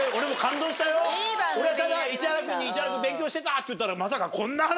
俺はただ市原君に「市原君勉強してた？」って言ったら。